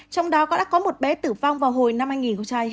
trong đó đã có một bé tử vong vào hồi năm hai nghìn hai mươi hai